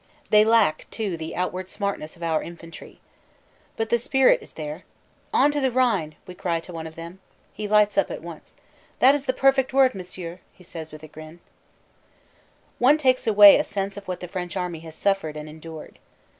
They lack too the outward smartness of our infantry. But the spirit is there. "On to the Rhine!" we cry to one of them. He lights up at once. "That is the perfect word, Monsieur," he says with a grin. 100 CANADA S HUNDRED DAYS One takes away a sense of what the French Army has suf fered and endured.